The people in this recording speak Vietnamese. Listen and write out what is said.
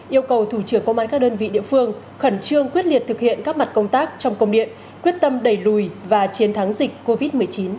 yêu cầu thủ trưởng công an các đơn vị địa phương khẩn trương quyết liệt thực hiện các mặt công tác trong công điện quyết tâm đẩy lùi và chiến thắng dịch covid một mươi chín